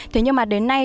thế nhưng mà đến nay